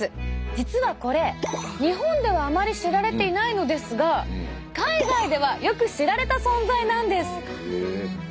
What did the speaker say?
実はこれ日本ではあまり知られていないのですが海外ではよく知られた存在なんです。